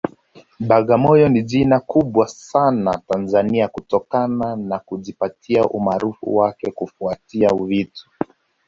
Bagamoyo ni jina kubwa sana Tanzania kutokana na kujipatia umaarufu wake kufuatia vitu